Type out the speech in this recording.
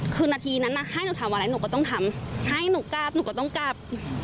คือนาทีนั้นให้หนูทำอะไรหนูก็ต้องทำให้หนูกลับหนูก็ต้องกลับ